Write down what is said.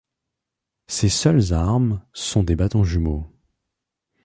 Ses seules armes sont des bâtons jumeaux.